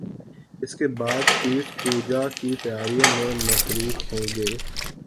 اس کے بعد پیٹ پوجا کی تیاریوں میں مصروف ہو گئے